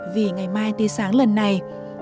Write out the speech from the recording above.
vì ngày mai tia sáng lần này